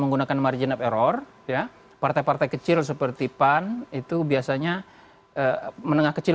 menggunakan margin of error ya partai partai kecil seperti pan itu biasanya menengah kecil